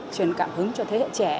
truyền cảm hứng cho thế hệ trẻ